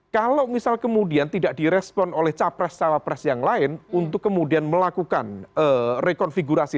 kalau misal kemudian tidak direspon oleh capres cawapres yang lain untuk kemudian melakukan rekonfigurasi